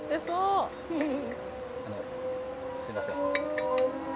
すみません。